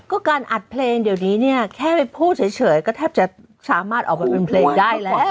ก็การอัดเพลงเดี๋ยวนี้เนี่ยแค่ไปพูดเฉยก็แทบจะสามารถออกมาเป็นเพลงได้แล้ว